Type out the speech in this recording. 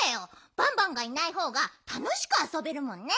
バンバンがいないほうがたのしくあそべるもんね。